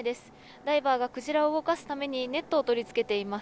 ダイバーがクジラを動かすためにネットを取り付けています。